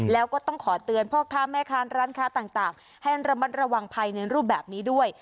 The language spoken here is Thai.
แล้วก็ต้องขอเตือนพ่อค้าแม่ค้าร้านค้าต่างให้ระมัดระวังภัยในรูปแบบนี้ด้วย